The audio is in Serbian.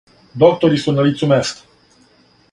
Доктори су на лицу места.